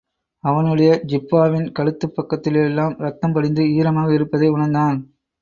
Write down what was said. அவனுடைய ஜிப்பாவின் கழுத்துப் பக்கத்திலெல்லாம் ரத்தம் படிந்து ஈரமாக இருப்பதை உணர்ந்தான்.